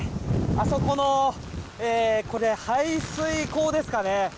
あそこの排水口ですかね。